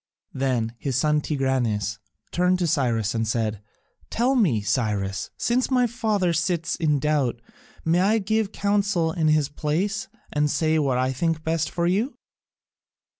Then his son Tigranes turned to Cyrus and said, "Tell me, Cyrus, since my father sits in doubt, may I give counsel in his place and say what I think best for you?"